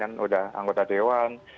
kan sudah anggota dewan